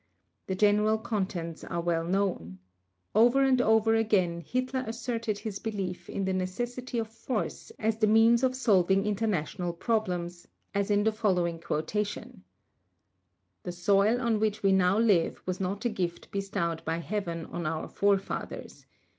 The general contents are well known. Over and over again Hitler asserted his belief in the necessity of force as the means of solving international problems, as in the following quotation: "The soil on which we now live was not a gift bestowed by Heaven on our forefathers.